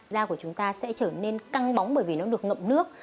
da của chúng ta sẽ trở nên căng bóng bởi vì nó được ngậm nước